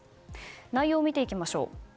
内容を見ていきましょう。